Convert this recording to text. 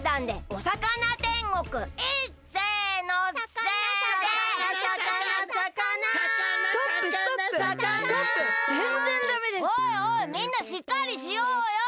おいおいみんなしっかりしようよ！